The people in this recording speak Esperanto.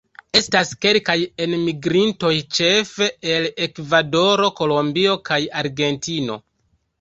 Estas kelkaj enmigrintoj, ĉefe el Ekvadoro, Kolombio kaj Argentino.